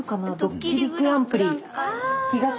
「ドッキリＧＰ」。